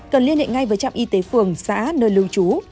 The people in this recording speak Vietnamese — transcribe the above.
cần liên hệ ngay với trạm y tế phường xã nơi lưu trú